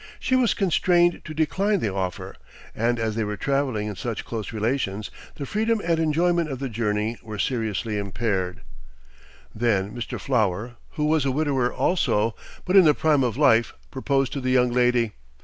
She was constrained to decline the offer, and as they were traveling in such close relations, the freedom and enjoyment of the journey were seriously impaired. Then Mr. Flower, who was a widower also, but in the prime of life, proposed to the young lady.